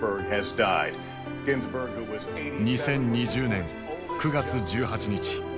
２０２０年９月１８日。